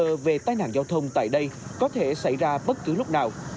nguyên liệu cơ về tai nạn giao thông tại đây có thể xảy ra bất cứ lúc nào